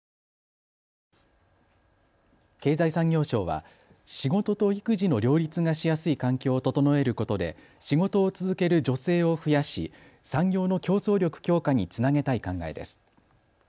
経済産業省は仕事と育児の両立がしやすい環境を整えることで仕事を続ける女性を増やし産業の競争力強化につなげたい考えです。